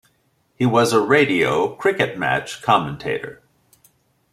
He was a radio cricket match commentator.